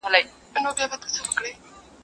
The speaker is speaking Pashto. o هر چيري چي ولاړ سې، دغه حال دئ.